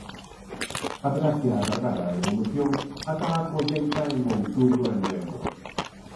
Haberá que agardar a evolución ata a colleita en outubro e novembro.